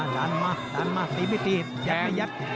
ดันมาดันมาตีไม่ตียัดไม่ยัด